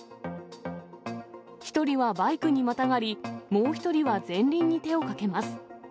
１人はバイクにまたがり、もう１人は前輪に手をかけます。